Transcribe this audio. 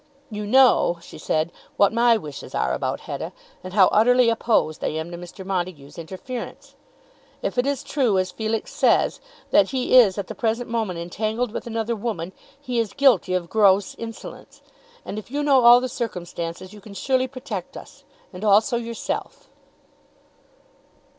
"You know," she said, "what my wishes are about Hetta, and how utterly opposed I am to Mr. Montague's interference. If it is true, as Felix says, that he is at the present moment entangled with another woman, he is guilty of gross insolence; and if you know all the circumstances you can surely protect us, and also yourself."